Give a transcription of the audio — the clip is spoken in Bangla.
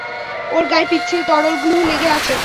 ওর গায়ে পিচ্ছিল তরল গ্লু লেগে আছে!